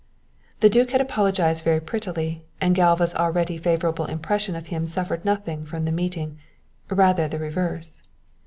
The duke had apologized very prettily, and Galva's already favourable impression of him suffered nothing from the meeting rather the reverse.